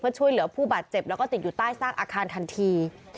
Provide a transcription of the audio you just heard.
เพื่อช่วยเหลือผู้บาดเจ็บแล้วก็ติดอยู่ใต้ซากอาคารทันที